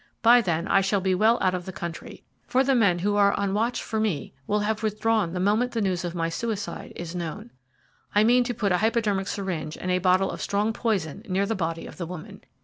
By then I shall be well out of the country, for the men who are on watch for me will have withdrawn the moment the news of my suicide is known. I mean to put a hypodermic syringe and a bottle of strong poison near the body of the woman.